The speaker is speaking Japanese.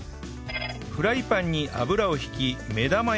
フライパンに油を引き目玉焼きを作ります